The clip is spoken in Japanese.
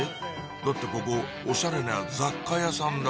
だってここおしゃれな雑貨屋さんだ